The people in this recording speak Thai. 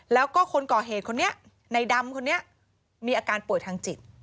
แล้วก็คนก่อเหตุคนนี้ในดำคนนี้มีอาการป่วยทางจิต